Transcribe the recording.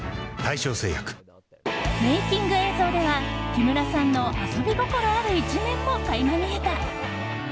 メイキング映像では木村さんの遊び心ある一面も垣間見えた。